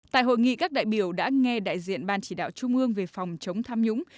tại hội nghị các đại biểu đã nghe đại diện ban chỉ đạo trung ương về phòng chống tham nhũng